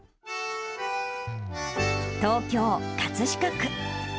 東京・葛飾区。